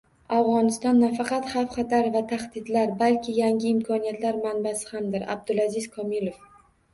Afg‘oniston nafaqat xavf-xatar va tahdidlar, balki yangi imkoniyatlar manbasi hamdir — Abdulaziz Komilov